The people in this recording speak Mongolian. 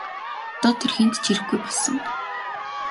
Одоо тэр хэнд ч хэрэггүй болсон.